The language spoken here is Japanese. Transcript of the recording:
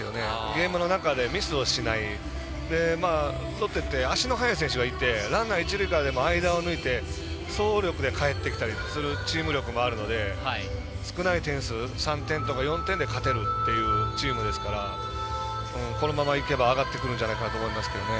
ゲームの中でミスをしない足の速い選手がいてランナー、一、二塁間間を抜いて走力でかえってくるチーム力もあるので少ない点数を３点、４点で勝てるというチームですからこのままいけば上がってくるんじゃないかと思います。